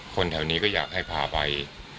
แถวนี้ก็อยากให้พาไป